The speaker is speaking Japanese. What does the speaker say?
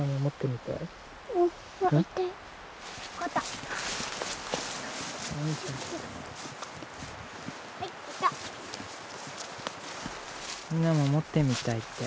みなも持ってみたいって。